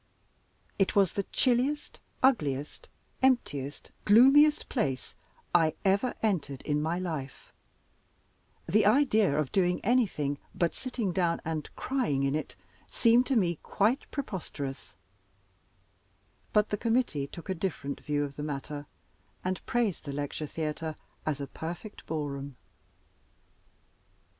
It was the chilliest, ugliest, emptiest, gloomiest place I ever entered in my life; the idea of doing anything but sitting down and crying in it seemed to me quite preposterous; but the committee took a different view of the matter, and praised the Lecture Theater as a perfect ballroom.